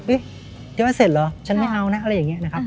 ดิจิทัลอินเซ็ตเหรอฉันไม่เอานะอะไรอย่างนี้นะครับ